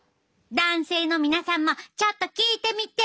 男性の皆さんもちょっと聞いてみて！